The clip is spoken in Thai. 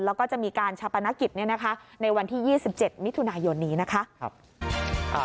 แล้วก็จะมีการชาปนกิจในวันที่๒๗มิถุนายนนี้นะคะ